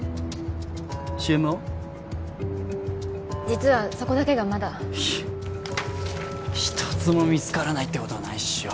実はそこだけがまだ一つも見つからないってことはないっしょ